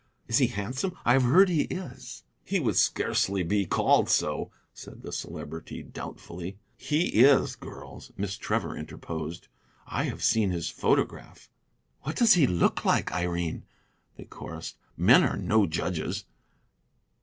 "Is he handsome? I have heard he is." "He would scarcely be called so," said the Celebrity, doubtfully. "He is, girls," Miss Trevor interposed; "I have seen his photograph." "What does he look like, Irene?" they chorused. "Men are no judges."